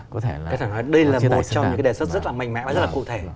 đây là một trong những đề xuất rất là mạnh mẽ và cụ thể